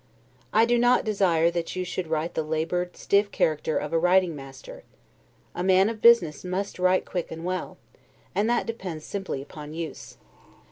I do not desire that you should write the labored, stiff character of a writing master: a man of business must write quick and well, and that depends simply upon use.